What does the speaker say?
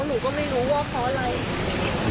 หนูก็ไม่รู้ว่าเพราะอะไร